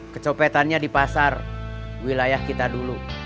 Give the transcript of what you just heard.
kecopetannya di pasar wilayah kita dulu